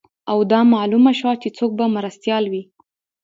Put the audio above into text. او دا معلومه شوه چې څوک به مرستیال وي